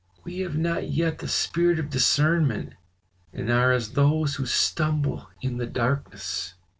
"We have not yet the spirit of discernment, and are as those who stumble in the darkness."